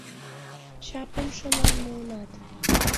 — Чаплым шонен муынат!